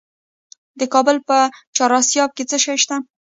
د کابل په چهار اسیاب کې څه شی شته؟